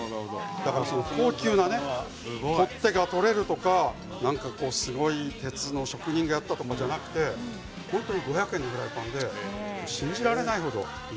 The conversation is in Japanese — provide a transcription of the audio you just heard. だから高級な取っ手が取れるとかすごい鉄の職人がやったとかじゃなくて本当に５００円のフライパンで信じられない程。